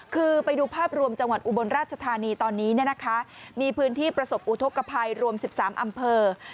คือไปดูภาพรวมจังหวัดอุบลราชธานีตอนนี้มีพื้นที่ประสบอุทธกภัยรวม๑๓อำเภอ